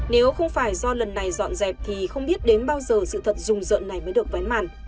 nếu không phải do lần này dọn dẹp thì không biết đến bao giờ sự thật rùng rợn này mới được vén màn